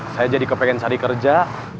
saya jadi kepengen cari kerja